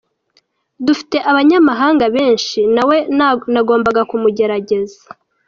Dufite abanyamahanga benshi nawe nagombaga kumugerageza.